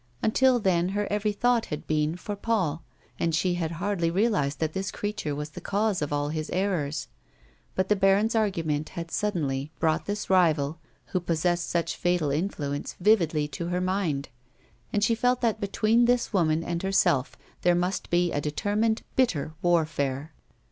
Until then her every thought had been for Paul, and she had hardly realised that this creature was the cause of all his errors ; but the bai'on's argument had suddenly brought this rival who possessed such fatal influence vividly to her mind, and she felt that between this woman and her self, there must be a determined, bitter warfare.